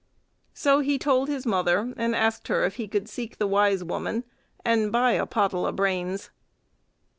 So he told his mother, and asked her if he could seek the wise woman and buy a pottle o' brains.